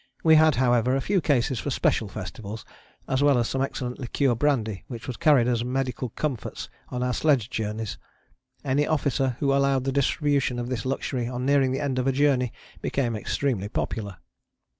We had, however, a few cases for special festivals, as well as some excellent liqueur brandy which was carried as medical comforts on our sledge journeys. Any officer who allowed the distribution of this luxury on nearing the end of a journey became extremely popular.